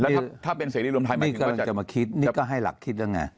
แล้วถ้าถ้าเป็นเศรษฐรีย์รวมไทยนี่ก็จะมาคิดนี่ก็ให้หลักคิดแล้วไง